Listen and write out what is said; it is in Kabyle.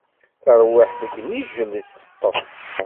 Tarwiḥt deg inijel i teṭṭef.